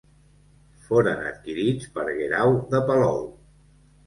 Foren adquirits per Guerau de Palou.